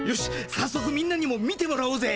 さっそくみんなにも見てもらおうぜ。